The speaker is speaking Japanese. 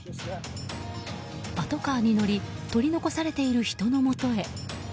パトカーに乗り取り残されている人のもとへ。